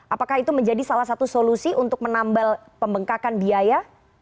apakah itu menjadi salah satu solusi untuk menambal pembengkakan biaya